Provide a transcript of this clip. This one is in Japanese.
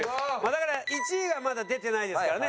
だから１位はまだ出てないですからね。